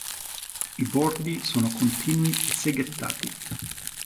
I bordi sono continui e seghettati.